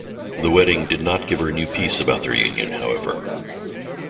The wedding did not give her new peace about their union, however.